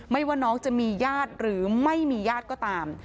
ว่าน้องจะมีญาติหรือไม่มีญาติก็ตาม